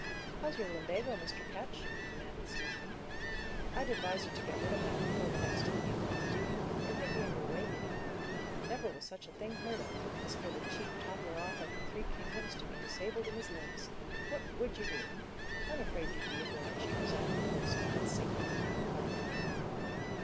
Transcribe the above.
"How's your lumbago, Mr. Ketch?" demanded Stephen Bywater. "I'd advise you to get rid of that, before the next time you go on duty; it might be in your way, you know. Never was such a thing heard of, as for the chief toppler off of the three kingdoms to be disabled in his limbs! What would you do? I'm afraid you'd be obliged to resign your post, and sink into private life."